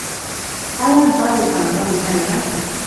آیا دا د کاناډا روحیه نه ده؟